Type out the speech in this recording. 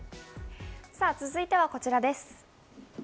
続いてはこちらです。